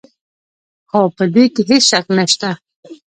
خو په دې کې هېڅ شک نشته.